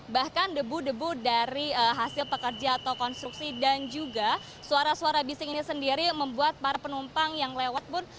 bahkan debu debu dari hasil pekerja atau konstruksi dan juga suara suara bising ini sendiri membuat para penumpang yang lewat pun